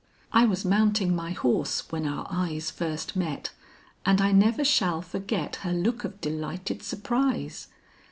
"I was mounting my horse when our eyes first met, and I never shall forget her look of delighted surprise.